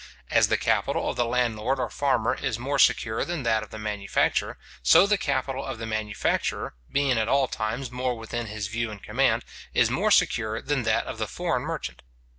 As the capital of the landlord or farmer is more secure than that of the manufacturer, so the capital of the manufacturer, being at all times more within his view and command, is more secure than that of the foreign merchant.